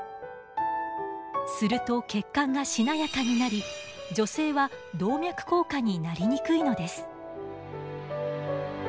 すると血管がしなやかになり女性は動脈硬化になりにくいのです。